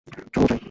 চলো, যাই।